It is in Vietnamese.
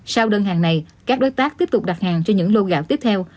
sau đơn hàng này các đối tác tiếp tục đặt hàng cho những lô gạo tiếp theo